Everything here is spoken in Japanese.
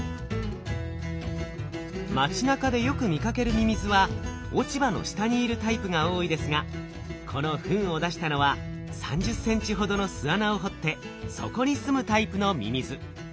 町なかでよく見かけるミミズは落ち葉の下にいるタイプが多いですがこのフンを出したのは３０センチほどの巣穴を掘って底に住むタイプのミミズ。